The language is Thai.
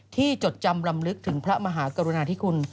จดจำลำลึกถึงพระมหากรุณาธิคุณ